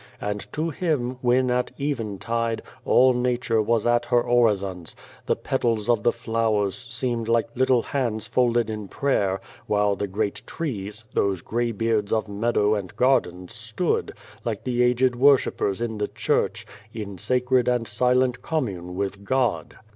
And to him when, at eventide, all Nature was at her orisons, the petals of the flowers seemed like little hands folded in prayer, while the great trees those grey beards of meadow and garden stood, like the aged worshippers in the church, in sacred and silent commune with God.